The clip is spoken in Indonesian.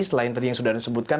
selain tadi yang sudah anda sebutkan